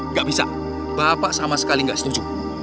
nggak bisa bapak sama sekali nggak setuju